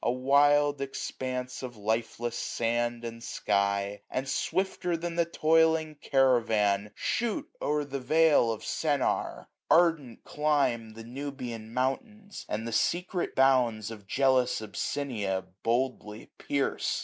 A wild expanse of lifeless sand and sky : And, swifter than the toiling caravan, Shoot o'er the vale of Sennar ; ardent climb 750 7« SUMMER The Nubian mountains, and the secret bounds Of jealous Abyssinia boldly pierce.